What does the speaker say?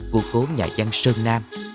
của cố nhà chăn sơn nam